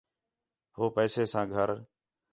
ہو پیسین ساں گھر